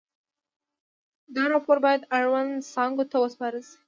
دا راپور باید اړونده څانګو ته وسپارل شي.